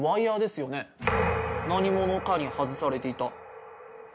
何者かに外されていた。